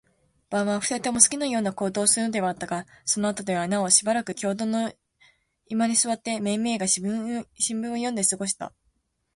晩は、二人とも好きなような行動をするのではあったが、そのあとではなおしばらく共同の居間に坐って、めいめいが新聞を読んで過ごした。